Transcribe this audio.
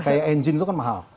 kayak engine itu kan mahal